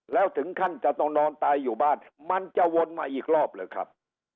แล้วถึงขั้นจะต้องนอนตายอยู่บ้านมันจะวนมาอีกรอบเหรอครับ